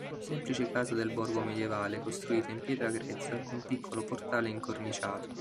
Semplice casa del borgo medievale, costruita in pietra grezza, con piccolo portale incorniciato.